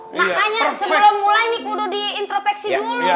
makanya sebelum mulai nih kudu di intropeksi dulu